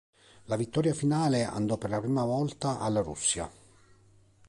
La vittoria finale andò per la prima volta alla Russia.